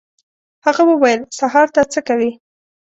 هغه وویل: «سهار ته څه کوې؟»